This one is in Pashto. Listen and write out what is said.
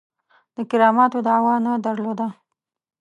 د کراماتو دعوه نه درلوده.